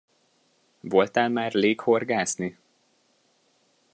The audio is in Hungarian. Voltál már lék-horgászni?